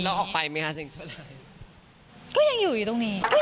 แล้วออกไปมีฉันรู้สึกว่ามีค่ะเสียงชั่วร้าย